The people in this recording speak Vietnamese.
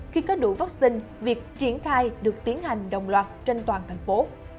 khi có đủ vaccine việc triển khai được tiến hành đồng loạt trên toàn thành phố